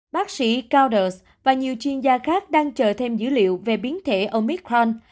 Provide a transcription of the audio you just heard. bác sĩ gouders và nhiều chuyên gia khác đang chờ thêm dữ liệu về biến thể omicron